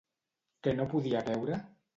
Què no podia veure?